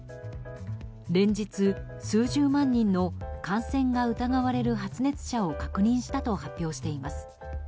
連日、数十万人の感染が疑われる発熱者を確認したと発表しています。